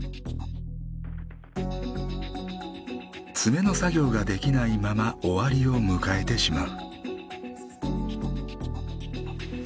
詰めの作業ができないまま終わりを迎えてしまう。